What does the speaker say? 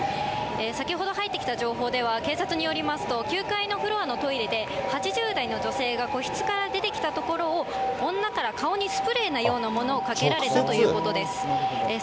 先ほど入ってきた情報では、警察によりますと、９階のフロアのトイレで、８０代の女性が個室から出てきたところを女から顔にスプレーのようなものをかけられたということです。